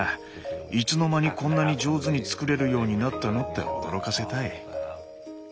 「いつの間にこんなに上手に作れるようになったの？」って驚かせたい。